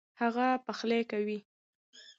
هغه پخلی کوي